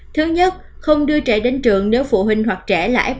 thứ nhất không đưa trẻ đến trường nếu phụ huynh hoặc trẻ không có trẻ